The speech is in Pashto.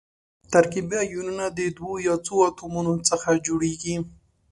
ترکیبي ایونونه د دوو یا څو اتومونو څخه جوړیږي.